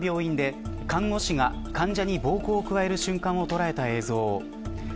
静岡県にある精神科の病院で看護師が患者に暴行を加える瞬間を捉えた映像。